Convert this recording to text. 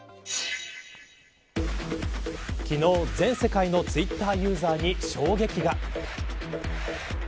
昨日、全世界のツイッターユーザーに衝撃が。